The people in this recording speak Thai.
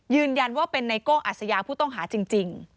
ยืนยันว่าเป็นไนโก้อัสยาผู้ต้องหาจริง